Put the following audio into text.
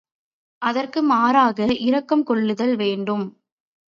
அதற்கு மாறாக இரக்கம் கொள்ளுதல் வேண்டும்.